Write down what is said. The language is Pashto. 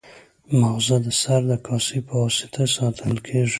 ماغزه د سر د کاسې په واسطه ساتل کېږي.